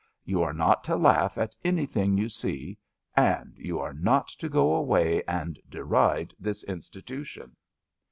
You are not to laugh at anything you see, and you are not to go away and deride this Institution.''